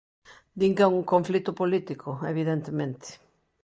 Din que é un conflito político: evidentemente.